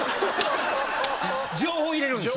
情報入れるんですね。